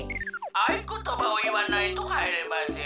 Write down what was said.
「あいことばをいわないとはいれません」。